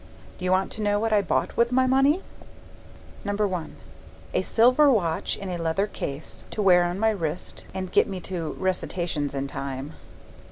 Do you want to know what I bought with my money? I. A silver watch in a leather case to wear on my wrist and get me to recitations in time.